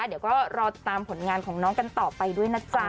เดี๋ยวก็รอตามผลงานของน้องกันต่อไปด้วยนะจ๊ะ